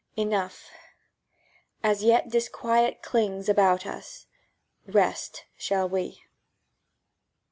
Enough. As yet disquiet clings About us. Rest shall we.